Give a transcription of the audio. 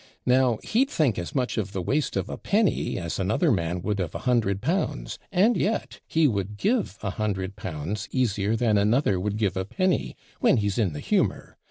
'Now he'd think as much of the waste of a penny as another man would of a hundred pounds, and yet he would give a hundred pounds easier than another would give a penny, when he's in the humour.